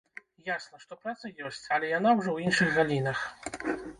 Ясна, што праца ёсць, але яна ўжо ў іншых галінах.